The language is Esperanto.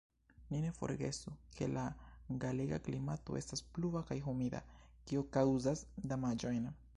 Ni ne forgesu, ke la galega klimato estas pluva kaj humida, kio kaŭzas damaĝojn.